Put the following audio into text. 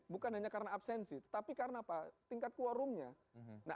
bukan hanya karena absensi tapi karena tingkat quorumnya